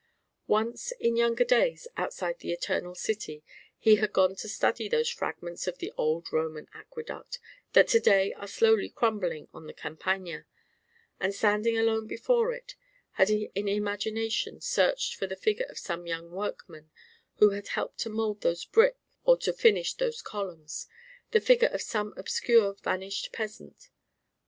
Once, in younger days, outside the Eternal City, he had gone to study those fragments of the Old Roman Aqueduct that to day are slowly crumbling on the Campagna; and standing alone before it he had in imagination searched for the figure of some young workman who had helped to mould those brick or to finish those columns: the figure of some obscure vanished peasant.